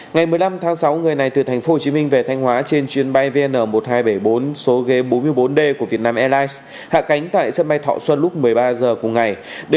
ngày một mươi năm tháng sáu người này từ tp hcm về thanh hóa trên chuyến bay vn một nghìn hai trăm bảy mươi bốn số ghế bốn mươi bốn d của vietnam airlines hạ cánh tại sân bay thọ xuân lúc một mươi ba h cùng ngày